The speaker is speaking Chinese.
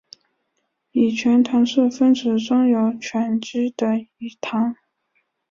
己醛糖是分子中有醛基的己糖。